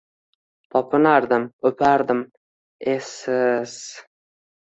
Topinardim, o’pardim… esiz!